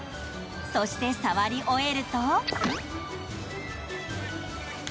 そして、触り終えると。